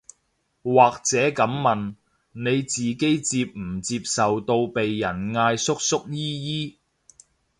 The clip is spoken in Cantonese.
或者噉問，你自己接唔接受到被人嗌叔叔姨姨